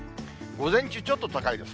午前中ちょっと高いです。